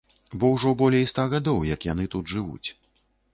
Бо ўжо болей ста гадоў, як яны тут жывуць.